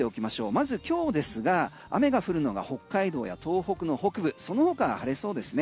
まず今日ですが雨が降るのが北海道や東北の北部そのほか晴れそうですね。